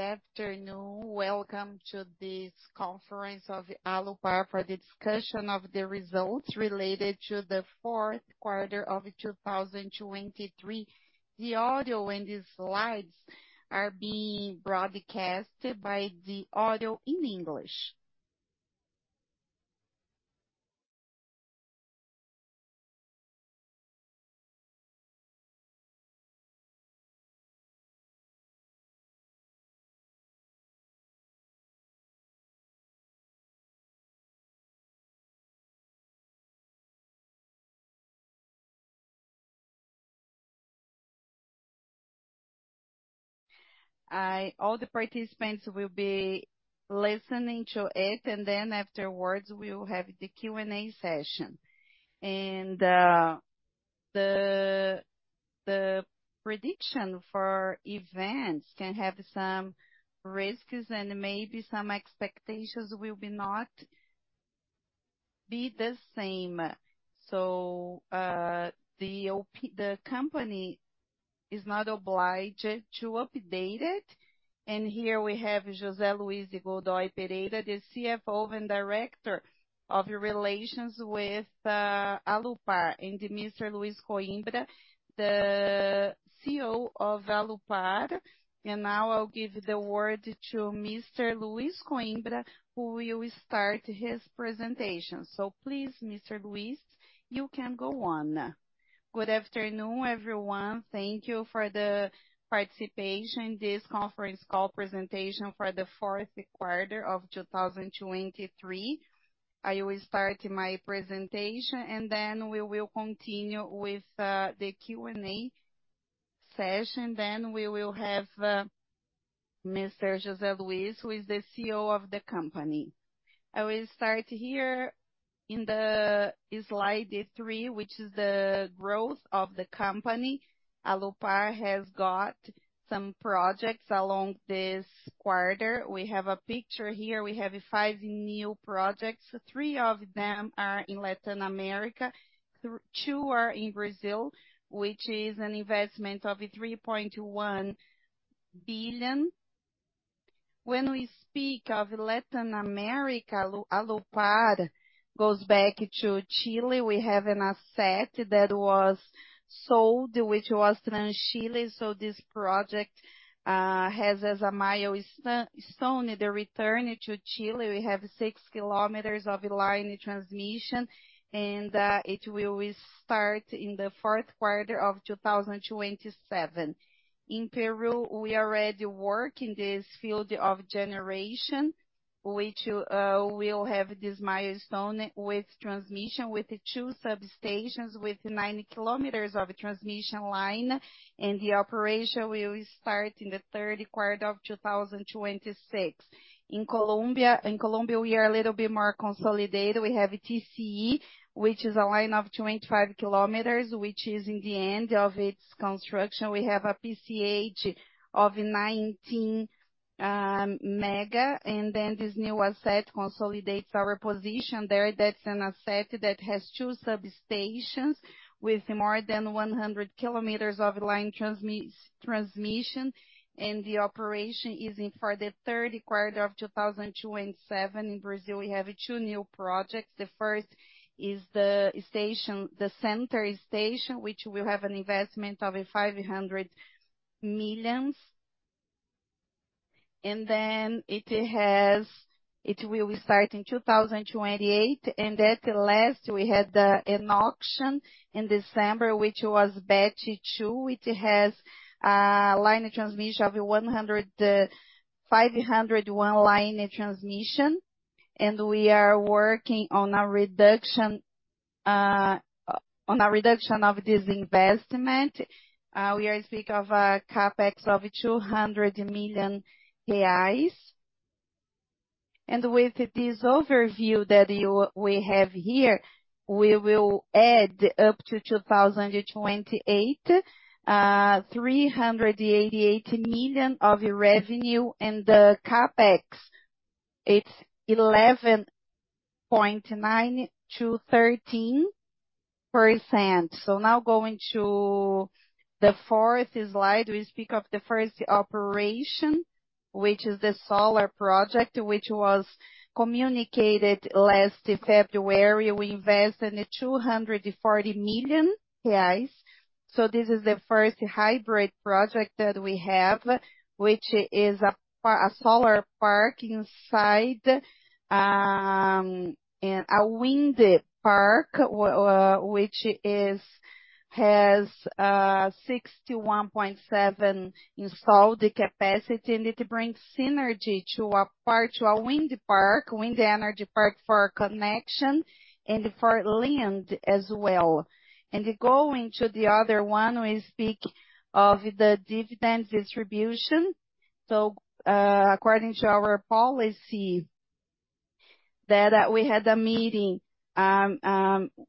Good afternoon. Welcome to this conference of Alupar for the discussion of the results related to the fourth quarter of 2023. The audio and the slides are being broadcast by the audio in English. All the participants will be listening to it, and then afterwards, we will have the Q&A session. And, the prediction for events can have some risks and maybe some expectations will be not be the same. So, the company is not obliged to update it. And here we have José Luiz de Godoy Pereira, the CFO and Director of Relations with Alupar, and Mr. Luiz Coimbra, the CEO of Alupar. And now I'll give the word to Mr. Luiz Coimbra, who will start his presentation. So please, Mr. Luiz, you can go on. Good afternoon, everyone. Thank you for the participation in this conference call presentation for the fourth quarter of 2023. I will start my presentation, and then we will continue with the Q&A session. Then we will have Mr. José Luiz, who is the CEO of the company. I will start here in the slide 3, which is the growth of the company. Alupar has got some projects along this quarter. We have a picture here. We have 5 new projects. 3 of them are in Latin America, 2 are in Brazil, which is an investment of 3.1 billion. When we speak of Latin America, Alupar goes back to Chile. We have an asset that was sold, which was TransChile. So this project has as a milestone the return to Chile. We have 6 kilometers of transmission line, and it will start in the fourth quarter of 2027. In Peru, we already work in this field of generation, which will have this milestone with transmission, with 2 substations, with 90 kilometers of transmission line, and the operation will start in the third quarter of 2026. In Colombia, we are a little bit more consolidated. We have TCE, which is a line of 25 kilometers, which is in the end of its construction. We have a PCH of 19 mega, and then this new asset consolidates our position there. That's an asset that has 2 substations with more than 100 kilometers of transmission line, and the operation is in for the third quarter of 2027. In Brazil, we have 2 new projects. The first is the station, the Center Station, which will have an investment of 500 million. And then it has. It will start in 2028, and at last, we had an auction in December, which was batch two, which has transmission line of 100,501 transmission line, and we are working on a reduction of this investment. We are speak of a CapEx of 200 million reais. And with this overview that we have here, we will add up to 2028 388 million of revenue, and the CapEx, it's 11.9%-13%. So now going to the fourth slide, we speak of the first operation, which is the solar project, which was communicated last February. We invested in 240 million reais. This is the first hybrid project that we have, which is a solar park inside a wind park, which has 61.7 installed capacity, and it brings synergy to a part, to a wind park, wind energy park for connection and for land as well. And going to the other one, we speak of the dividend distribution. So, according to our policy, that we had a meeting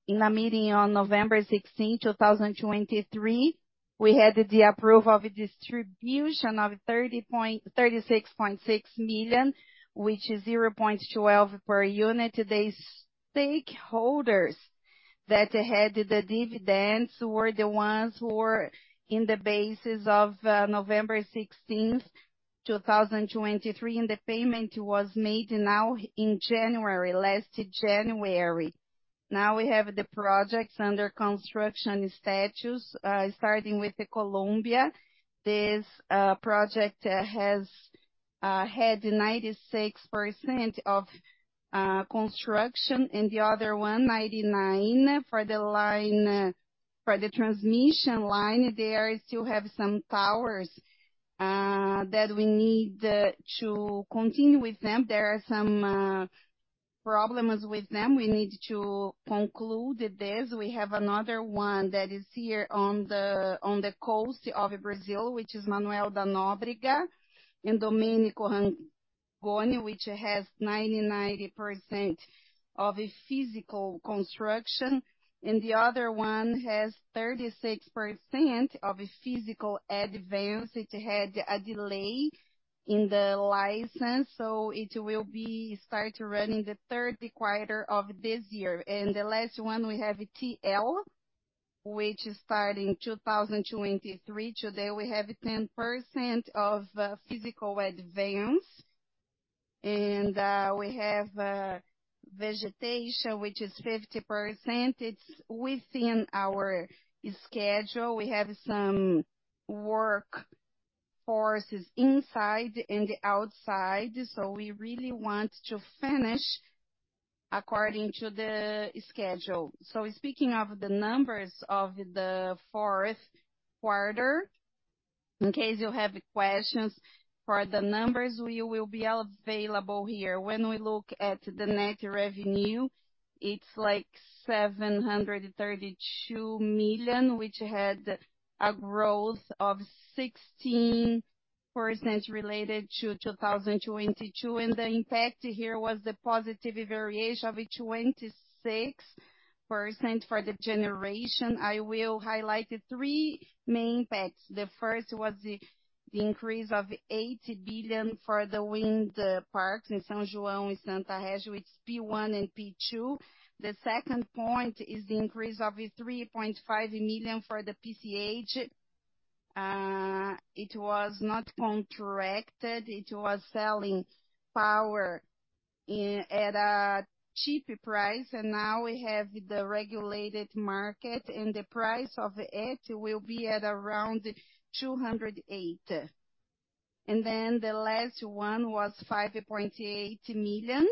in a meeting on November 16, 2023, we had the approval of a distribution of 36.6 million, which is 0.12 per unit. The stakeholders that had the dividends were the ones who were in the basis of November 16, 2023, and the payment was made now in January, last January. Now we have the projects under construction status, starting with Colombia. This project has had 96% of construction, and the other one, 99%. For the line, for the transmission line, they still have some towers that we need to continue with them. There are some problems with them. We need to conclude this. We have another one that is here on the coast of Brazil, which is Manoel da Nóbrega and Domênico Rangoni, which has 99% of a physical construction, and the other one has 36% of a physical advance. It had a delay in the license, so it will be start running the third quarter of this year. The last one, we have TL, which is starting 2023. Today, we have 10% of physical advance, and we have vegetation, which is 50%. It's within our schedule. We have some work forces inside and outside, so we really want to finish according to the schedule. So speaking of the numbers of the fourth quarter, in case you have questions for the numbers, we will be available here. When we look at the net revenue, it's like 732 million, which had a growth of 16% related to 2022, and the impact here was the positive variation of 26% for the generation. I will highlight the three main impacts. The first was the increase of 8 billion for the wind park in São João and Santa Cruz, it's P1 and P2. The second point is the increase of 3.5 million for the PCH. It was not contracted, it was selling power in at a cheap price, and now we have the regulated market, and the price of it will be at around 208. And then the last one was 5.8 million.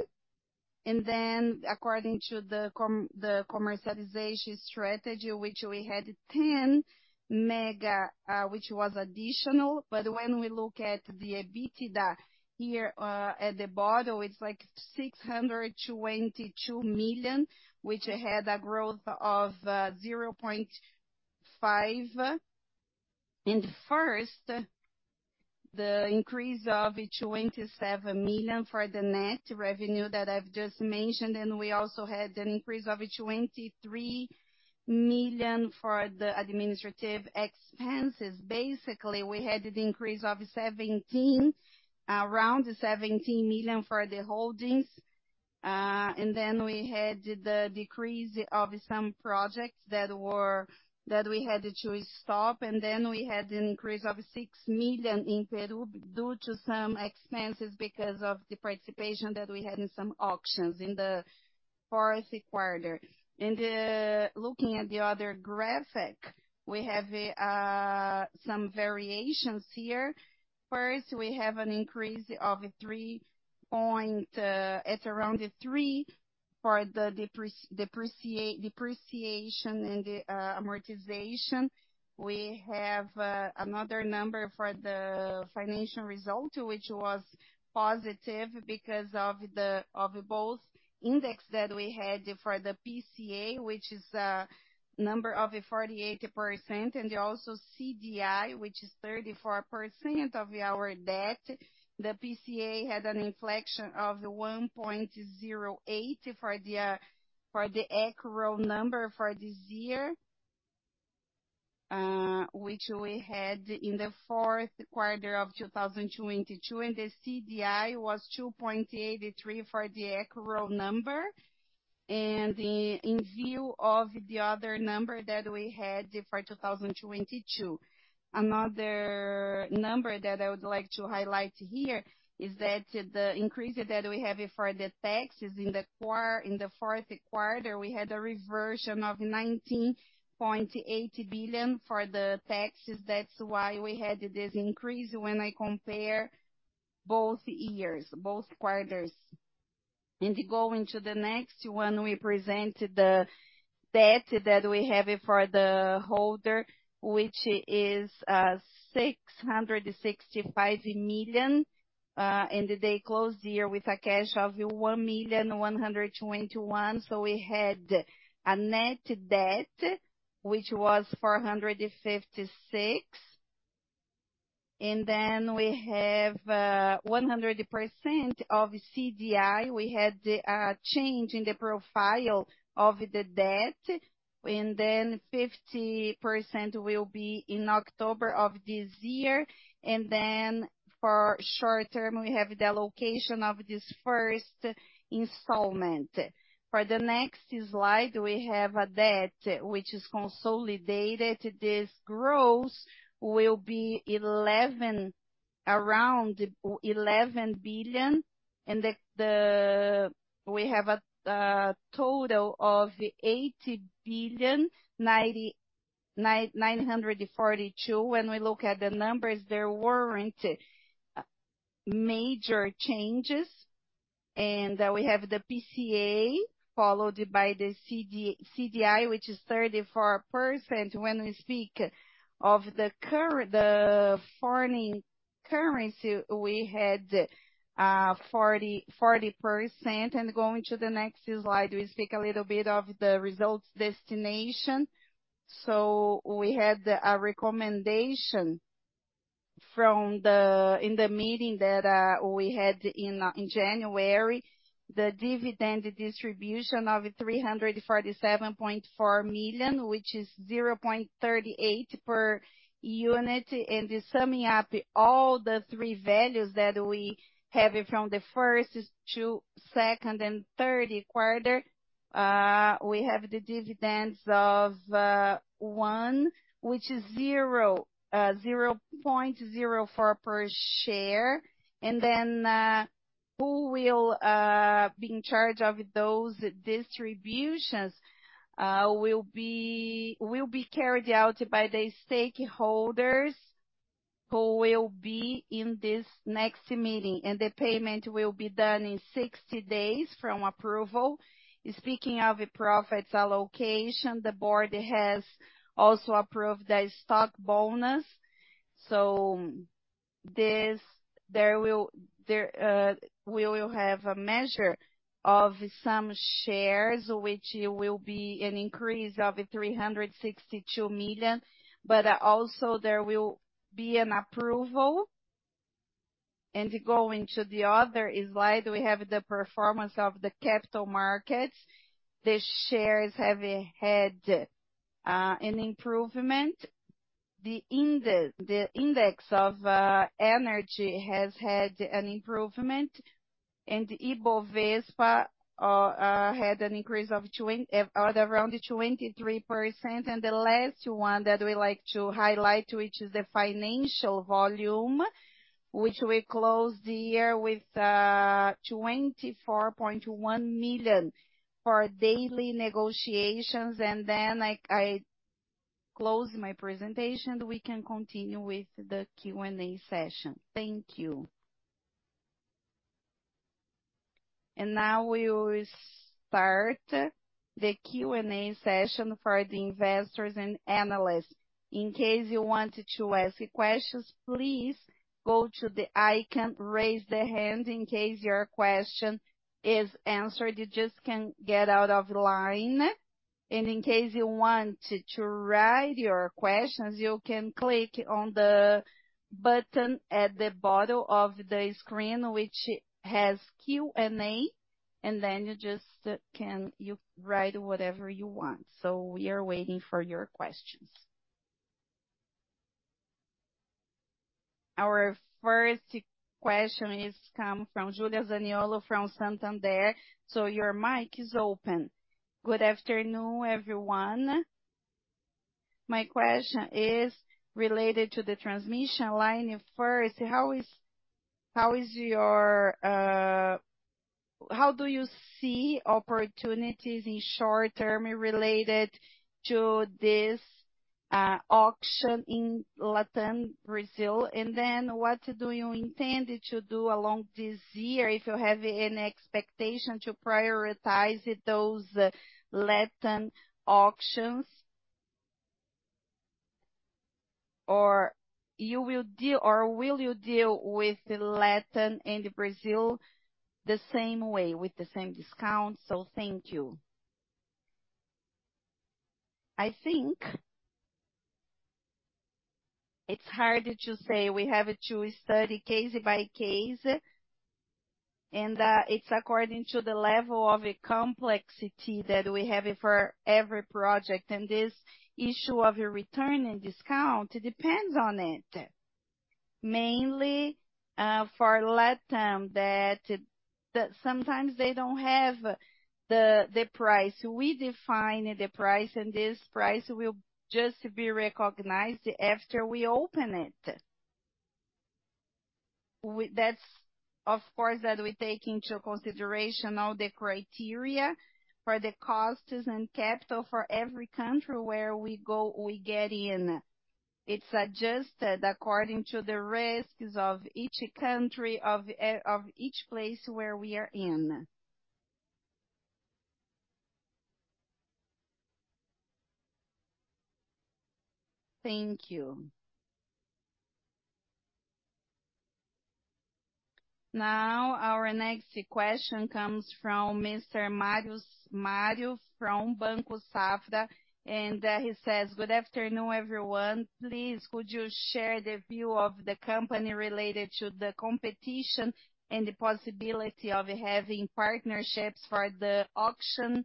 And then according to the commercialization strategy, which we had 10 mega, which was additional. But when we look at the EBITDA here, at the bottom, it's like 622 million, which had a growth of 0.5. And first, the increase of 27 million for the net revenue that I've just mentioned, and we also had an increase of 23 million for the administrative expenses. Basically, we had an increase of around 17 million for the holdings, and then we had the decrease of some projects that we had to stop, and then we had an increase of 6 million in Peru, due to some expenses because of the participation that we had in some auctions in the fourth quarter. Looking at the other graphic, we have some variations here. First, we have an increase of three point, it's around three for the depreciation and the amortization. We have another number for the financial result, which was positive because of the both index that we had for the IPCA, which is number of 48%, and also CDI, which is 34% of our debt. The PCA had an inflection of 1.08% for the accrual number for this year, which we had in the fourth quarter of 2022, and the CDI was 2.83% for the accrual number, and in view of the other number that we had for 2022. Another number that I would like to highlight here is that the increase that we have for the taxes in the fourth quarter, we had a reversion of 19.8 billion for the taxes. That's why we had this increase when I compare both years, both quarters. Going to the next one, we present the debt that we have for the holding, which is 665 million, and they closed the year with a cash of 1,121 million. We had a net debt which was 456, and then we have 100% of CDI. We had a change in the profile of the debt, and then 50% will be in October of this year. And then for short term, we have the allocation of this first installment. For the next slide, we have a debt which is consolidated. This growth will be around 11 billion, and the, the, we have a total of 8 billion, nine hundred and forty-two. When we look at the numbers, there weren't major changes, and we have the IPCA, followed by the CDI, which is 34%. When we speak of the foreign currency, we had 40%, 40%. And going to the next slide, we speak a little bit of the results destination. We had a recommendation from the meeting that we had in January, the dividend distribution of 347.4 million, which is 0.38 per unit. Summing up all the three values that we have from the first to second and third quarter, we have the dividends of 1, which is 0.04 per share. Then who will be in charge of those distributions will be carried out by the stakeholders who will be in this next meeting, and the payment will be done in 60 days from approval. Speaking of a profits allocation, the board has also approved the stock bonus. So this, there will be a measure of some shares, which will be an increase of 362 million, but also there will be an approval. And going to the other slide, we have the performance of the capital markets. The shares have had an improvement. The index of energy has had an improvement, and the Ibovespa had an increase of around 23%. And the last one that we like to highlight, which is the financial volume, which we closed the year with 24.1 million for daily negotiations. And then I close my presentation. We can continue with the Q&A session. Thank you. And now we will start the Q&A session for the investors and analysts. In case you want to ask questions, please go to the icon, raise the hand. In case your question is answered, you just can get out of line. In case you want to write your questions, you can click on the button at the bottom of the screen, which has Q&A, and then you write whatever you want. So we are waiting for your questions. Our first question comes from Julia Zaniolo, from Santander. So your mic is open. Good afternoon, everyone. My question is related to the transmission line. First, how do you see opportunities in short term related to this auction in Latin America? And then what do you intend to do along this year, if you have any expectation to prioritize those Latin auctions? Or will you deal with Latin and Brazil the same way, with the same discount? So thank you. I think it's hard to say. We have to study case by case, and it's according to the level of complexity that we have for every project. And this issue of a return and discount depends on it, mainly, for Latin, that sometimes they don't have the price. We define the price, and this price will just be recognized after we open it. That's, of course, we take into consideration all the criteria for the costs and capital for every country where we go, we get in. It's adjusted according to the risks of each country, of each place where we are in. Thank you. Now, our next question comes from Mr.Mário Moraes from Banco Safra, and he says: Good afternoon, everyone. Please, could you share the view of the company related to the competition and the possibility of having partnerships for the auction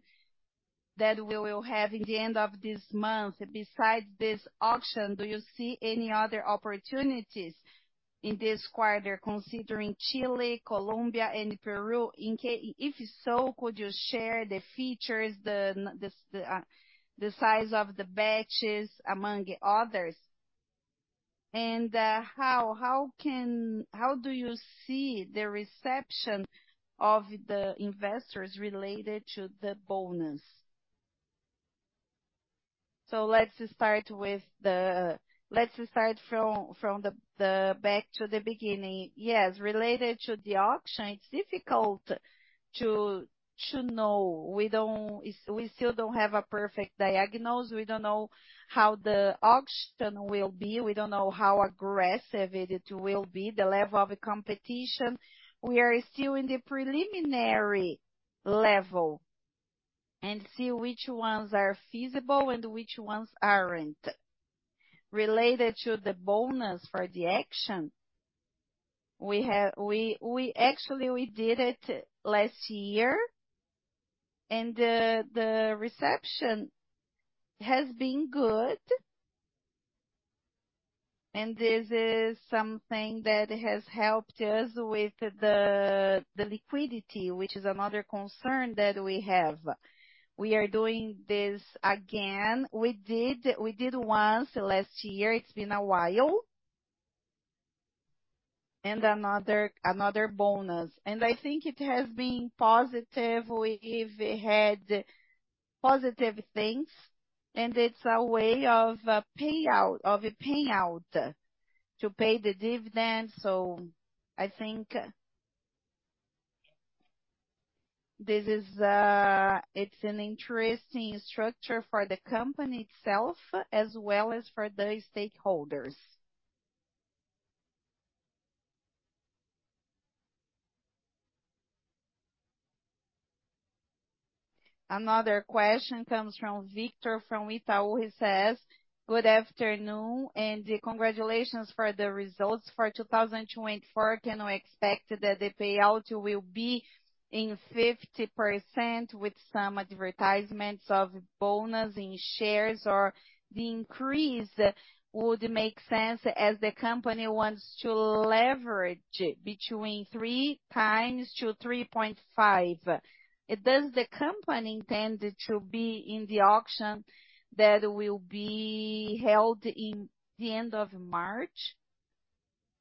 that we will have in the end of this month? Besides this auction, do you see any other opportunities in this quarter, considering Chile, Colombia, and Peru? If so, could you share the features, the size of the batches, among others? How do you see the reception of the investors related to the bonus? So let's start from the back to the beginning. Yes, related to the auction, it's difficult to know. We still don't have a perfect diagnosis. We don't know how the auction will be. We don't know how aggressive it will be, the level of competition. We are still in the preliminary level and see which ones are feasible and which ones aren't. Related to the bonus for the action, we actually did it last year, and the reception has been good. And this is something that has helped us with the liquidity, which is another concern that we have. We are doing this again. We did it once last year. It's been a while. And another bonus. And I think it has been positive. We've had positive things, and it's a way of a payout to pay the dividend. So I think this is an interesting structure for the company itself, as well as for the stakeholders. Another question comes from Victor, from Itaú. He says, "Good afternoon, and congratulations for the results for 2024. Can we expect that the payout will be in 50% with some advertisements of bonus in shares, or the increase would make sense as the company wants to leverage between 3x-3.5? Does the company intend to be in the auction that will be held in the end of March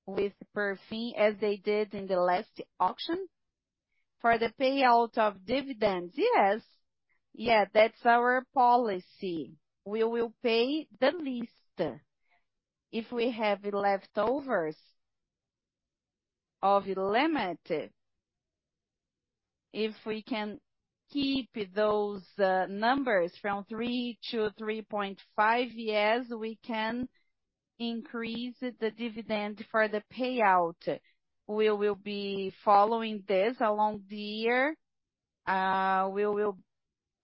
with Perfin, as they did in the last auction?" For the payout of dividends, yes. Yeah, that's our policy. We will pay the least. If we have leftovers of the limit, if we can keep those, numbers 3-3.5, yes, we can increase the dividend for the payout. We will be following this along the year. We will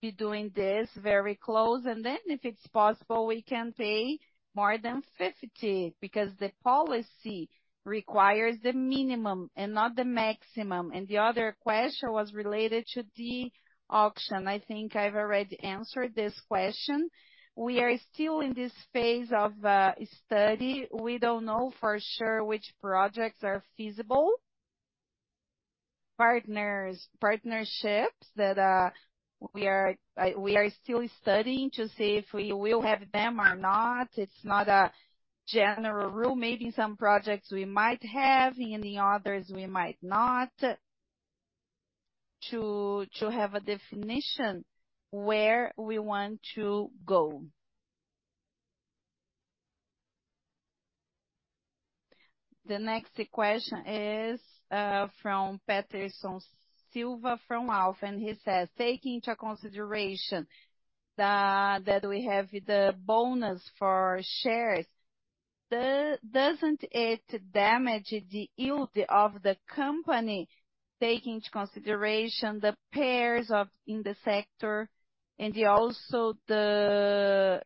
be doing this very close, and then, if it's possible, we can pay more than 50, because the policy requires the minimum and not the maximum. And the other question was related to the auction. I think I've already answered this question. We are still in this phase of study. We don't know for sure which projects are feasible. Partners, partnerships that we are still studying to see if we will have them or not. It's not a general rule. Maybe some projects we might have, and the others we might not, to have a definition where we want to go. The next question is from Peterson Silva, from Alfa, and he says, "Taking into consideration that we have the bonus for shares, doesn't it damage the yield of the company, taking into consideration the pairs of in the sector and also the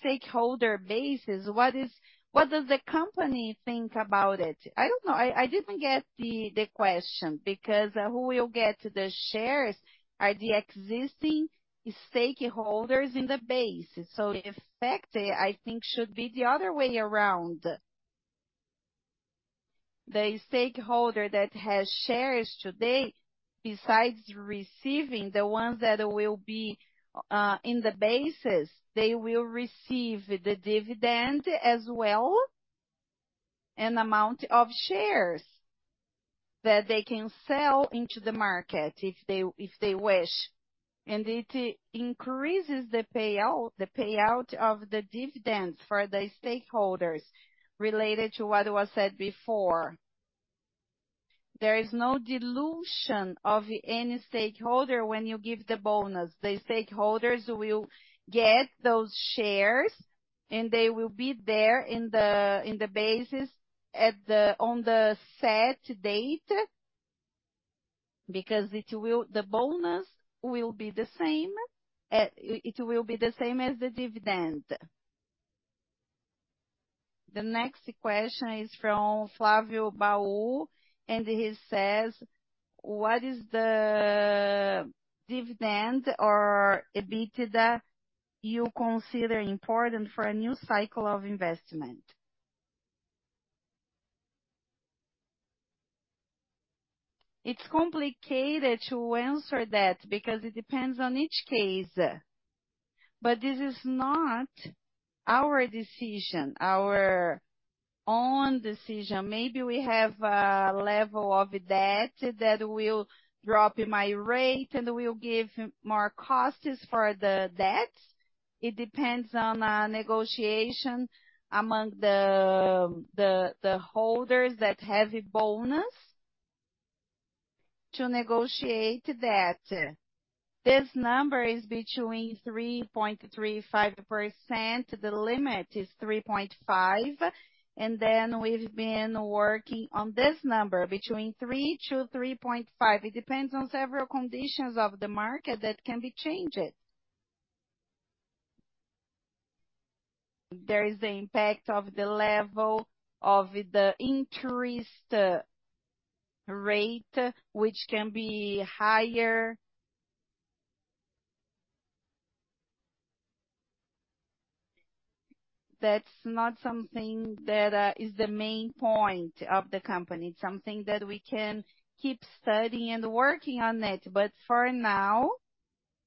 stakeholder bases? What does the company think about it?" I don't know. I didn't get the question, because who will get the shares are the existing stakeholders in the base. So in effect, I think should be the other way around. The stakeholder that has shares today, besides receiving the ones that will be in the bases, they will receive the dividend as well, and amount of shares that they can sell into the market if they wish. And it increases the payout, the payout of the dividend for the stakeholders related to what was said before. There is no dilution of any stakeholder when you give the bonus. The stakeholders will get those shares, and they will be there in the, in the bases at the, on the set date, because it will, the bonus will be the same, it will be the same as the dividend. The next question is from Flavio Baú, and he says, "What is the dividend or EBITDA you consider important for a new cycle of investment?" It's complicated to answer that because it depends on each case. But this is not our decision, our own decision. Maybe we have a level of debt that will drop my rate and will give more costs for the debt. It depends on, negotiation among the, the holders that have a bonus to negotiate that. This number is between 3.35%, the limit is 3.5, and then we've been working on this number between 3-3.5. It depends on several conditions of the market that can be changed. There is the impact of the level of the interest rate, which can be higher. That's not something that is the main point of the company. It's something that we can keep studying and working on it, but for now,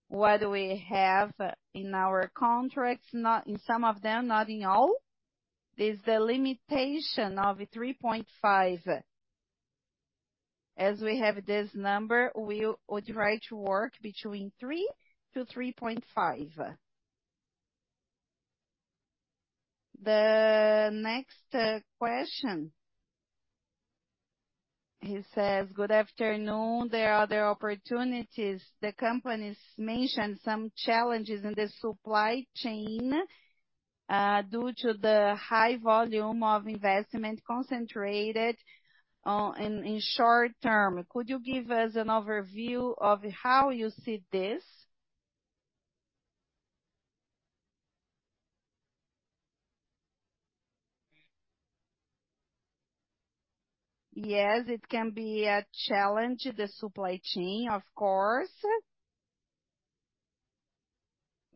what we have in our contracts, not in some of them, not in all, is the limitation of 3.5. As we have this number, we would try to work between 3-3.5. The next question, he says, "Good afternoon. There are other opportunities. The company's mentioned some challenges in the supply chain, due to the high volume of investment concentrated, in short term. Could you give us an overview of how you see this? Yes, it can be a challenge, the supply chain, of course.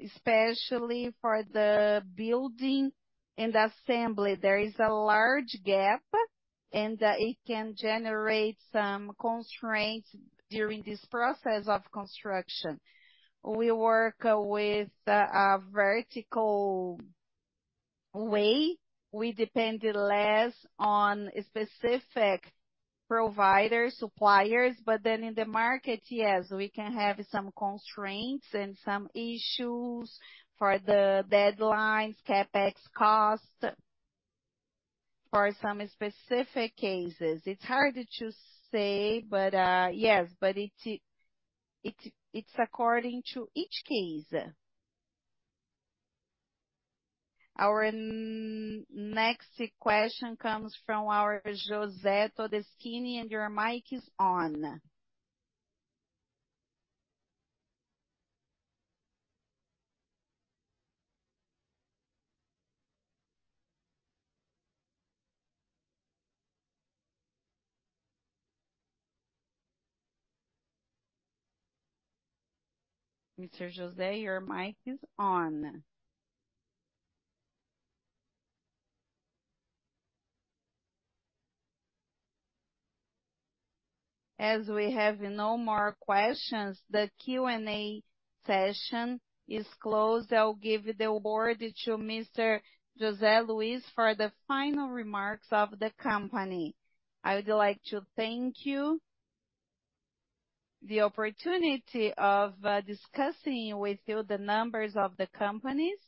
Especially for the building and assembly, there is a large gap, and it can generate some constraints during this process of construction. We work with a vertical way. We depend less on specific providers, suppliers, but then in the market, yes, we can have some constraints and some issues for the deadlines, CapEx costs, for some specific cases. It's hard to say, but yes, but it, it's according to each case. Our next question comes from our José Todestini, and your mic is on. Mr. José, your mic is on. As we have no more questions, the Q&A session is closed. I'll give the word to Mr. José Luiz for the final remarks of the company. I would like to thank you, the opportunity of, discussing with you the numbers of the companies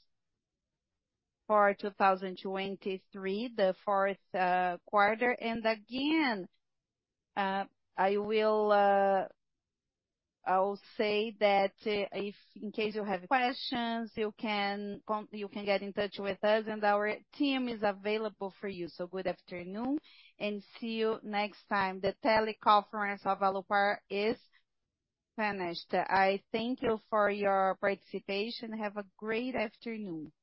for 2023, the fourth quarter. And again, I will I will say that, if in case you have questions, you can you can get in touch with us, and our team is available for you. So good afternoon and see you next time. The teleconference of Alupar is finished. I thank you for your participation. Have a great afternoon.